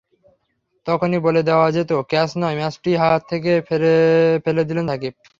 তখনই বলে দেওয়া যেত, ক্যাচ নয়, ম্যাচটিই হাত থেকে ফেলে দিলেন সাকিব।